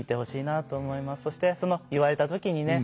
そして言われたときにね